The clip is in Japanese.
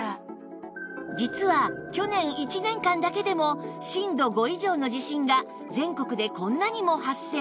実は去年１年間だけでも震度５以上の地震が全国でこんなにも発生